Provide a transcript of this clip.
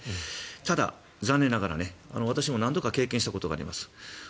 ただ残念ながら、私も何度か経験したことがあります。